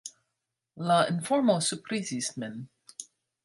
La informo surprizis min.